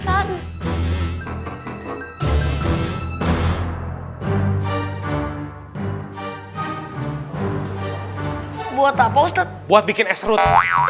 hai buat apa ustadz buat bikin esrut